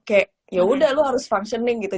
kayak yaudah lu harus functioning gitu